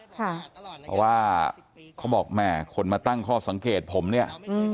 เพราะว่าเขาบอกแม่คนมาตั้งข้อสังเกตผมเนี่ย